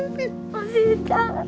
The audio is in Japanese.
おじいちゃん。